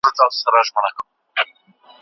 ايا د دولت پانګونه توليد زياتوي؟